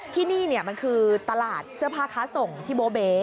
ที่นี่มันคือตลาดเสื้อผ้าค้าส่งที่โบเบ